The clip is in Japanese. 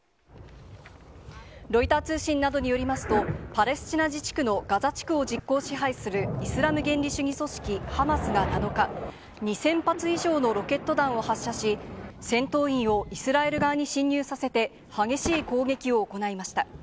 ロイター通信などによりますと、パレスチナ自治区のガザ地区を実効支配するイスラム原理主義組織ハマスが７日、２０００発以上のロケット弾を発射し、戦闘員をイスラエル側に侵入させて、激しい攻撃を行いました。